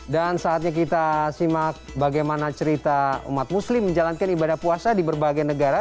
dan saatnya kita simak bagaimana cerita umat muslim menjalankan ibadah puasa di berbagai negara